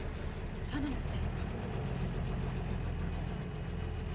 頼むって？